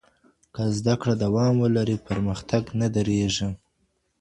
که زده کړه دوام ولري، پرمختګ نه درېږي.